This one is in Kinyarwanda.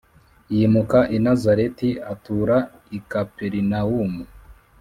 Yimuka i Nazareti atura i Kaperinawumu